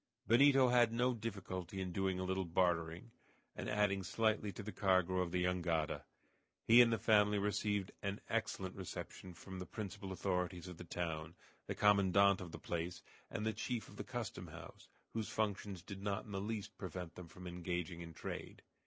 Benito had no difficulty in doing a little bartering, and adding slightly to the cargo of the jangada. He and the family received an excellent reception from the principal authorities of the town, the commandant of the place, and the chief of the custom house, whose functions did not in the least prevent them from engaging in trade.